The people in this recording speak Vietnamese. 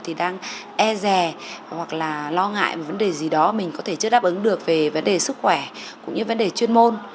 thì đang e rè hoặc là lo ngại về vấn đề gì đó mình có thể chưa đáp ứng được về vấn đề sức khỏe cũng như vấn đề chuyên môn